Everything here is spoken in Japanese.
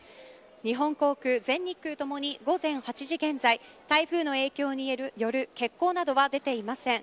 日本航空、全日空ともに午前８時現在台風の影響による欠航などは出ていません。